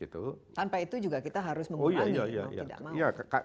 tanpa itu juga kita harus mengurangi mau tidak mau